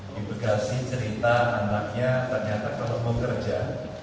di bekasi cerita anaknya ternyata kalau mau kerja